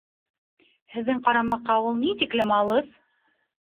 Һеҙҙең ҡарамаҡҡа ул ни тиклем алыҫ?